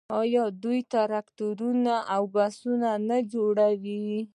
آیا دوی ټراکټورونه او بسونه نه جوړوي؟